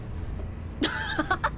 ハハハハ！